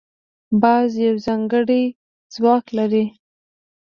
باز یو ځانګړی ځواک لري